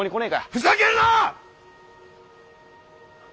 ふざけるな！